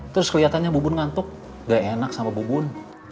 terus kelihatannya bubun ngantuk gak enak sama bubun